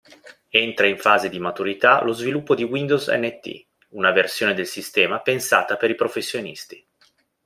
Entra in fase di maturità lo sviluppo di Windows NT, una versione del sistema pensata per i professionisti.